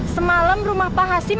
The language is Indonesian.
semalam rumah pak hasim